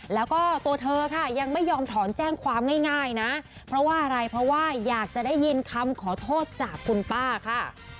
แล้วก็ตัวเธอค่ะยังไม่ยอมถอนแจ้งความง่ายนะเพราะว่าอะไรเพราะว่าอยากจะได้ยินคำขอโทษจากคุณป้าค่ะ